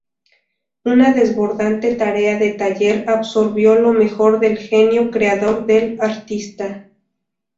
Una desbordante tarea de taller absorbió lo mejor del genio creador del artista.